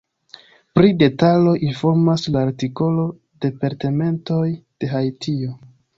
Pri detaloj informas la artikolo departementoj de Haitio.